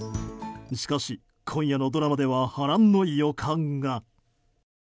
しかし、今夜のドラマでは波乱の予感が。